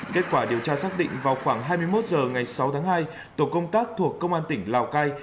kết quả điều tra xác định vào khoảng hai mươi một h ngày sáu tháng hai tổ công tác thuộc công an tỉnh lào cai